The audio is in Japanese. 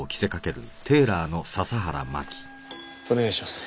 お願いします。